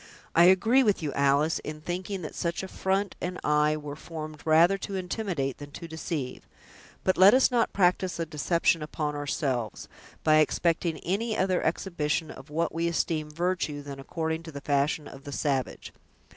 "I agree with you, Alice, in thinking that such a front and eye were formed rather to intimidate than to deceive; but let us not practice a deception upon ourselves, by expecting any other exhibition of what we esteem virtue than according to the fashion of the savage.